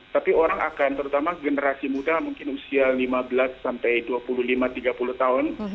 tapi orang akan terutama generasi muda mungkin usia lima belas sampai dua puluh lima tiga puluh tahun